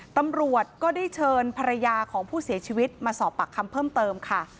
ตำรวจก็ได้เชิญภรรยาของผู้เสียชีวิตมาสอบปากคำเพิ่มเติมค่ะ